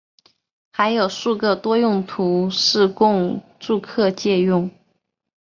还有数个多用途室供住客借用。